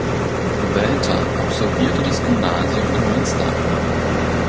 Welter absolvierte das Gymnasium in Münster.